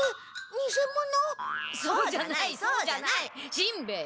しんべヱ。